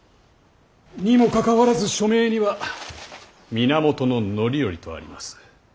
にもかかわらず署名には源範頼とあります。